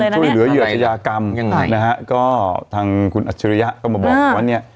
จุดเหลือเหยือชายากรรมทางคุณอัชริยะก็มาบอกว่าเนี่ย